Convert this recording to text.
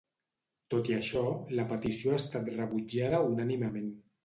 Tot i això, la petició ha estat rebutjada unànimement.